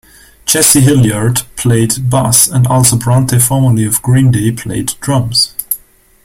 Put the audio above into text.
Jesse Hilliard played bass and Al Sobrante formerly of Green Day played drums.